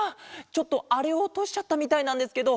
ちょっとあれをおとしちゃったみたいなんですけど。